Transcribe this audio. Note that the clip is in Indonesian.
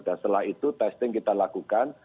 dan setelah itu testing kita lakukan